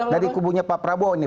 dari kubunya pak prabowo ini